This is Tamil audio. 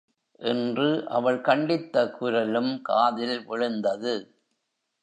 என்று அவள் கண்டித்த குரலும் காதில் விழுந்தது.